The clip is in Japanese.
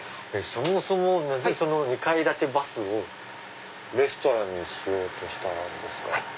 そもそもなぜ２階建てバスをレストランにしたんですか？